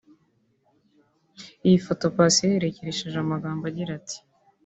Iyi foto Paccy yayiherekesheje amagambo agira ati